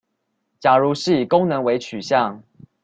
假如是以功能為取向